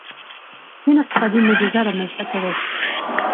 چین اقتصادي معجزه رامنځته کړې.